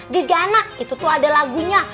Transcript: gegana itu tuh ada lagunya